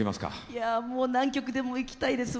いやもう何曲でもいきたいです